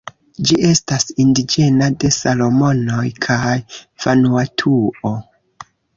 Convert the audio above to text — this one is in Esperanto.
Ĝi estas indiĝena de Salomonoj kaj Vanuatuo.